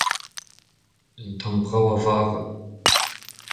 Un tamm brav a vara.